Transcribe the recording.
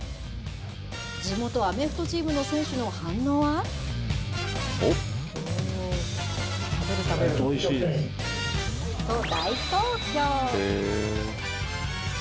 地元アメフトチームの選手の反応は？と、大好評。